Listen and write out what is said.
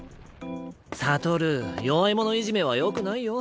悟弱い者いじめはよくないよ。